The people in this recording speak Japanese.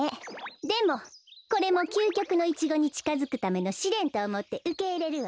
でもこれもきゅうきょくのイチゴにちかづくためのしれんとおもってうけいれるわ。